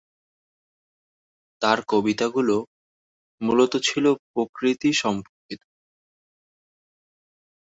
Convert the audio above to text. তার কবিতাগুলো মূলত ছিল প্রকৃতিসম্পর্কিত।